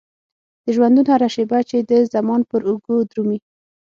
د ژوندون هره شيبه چې د زمان پر اوږو درومي.